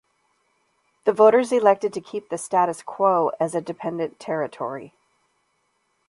The voters elected to keep the status quo as a dependent territory.